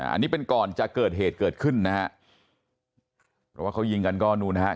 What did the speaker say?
อันนี้เป็นก่อนจะเกิดเหตุเกิดขึ้นนะฮะเพราะว่าเขายิงกันก็นู่นนะฮะ